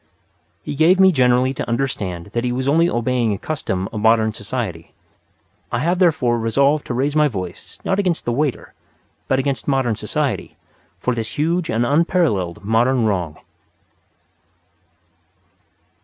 He gave me generally to understand that he was only obeying a custom of Modern Society. I have therefore resolved to raise my voice, not against the waiter, but against Modern Society, for this huge and unparalleled modern wrong.